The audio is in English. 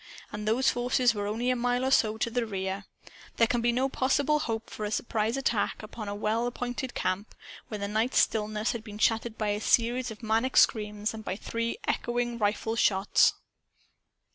And those forces were only a mile or so to the rear. There can be no possible hope for a surprise attack upon a well appointed camp when the night's stillness has been shattered by a series of maniac screams and by three echoing rifle shots.